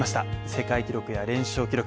世界記録や連勝記録